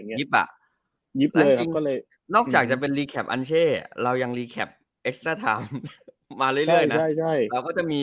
อะไรอย่างเงี้ยนอกจากจะเป็นเรายังมาเรื่อยเรื่อยนะเราก็จะมี